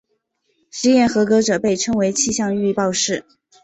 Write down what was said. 试验合格者被称作气象预报士。